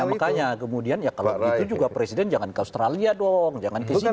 nah makanya kemudian ya kalau itu juga presiden jangan ke australia dong jangan kesini